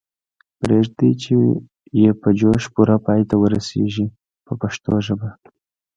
پریږدئ چې یې په جوش پوره پای ته ورسیږي په پښتو ژبه.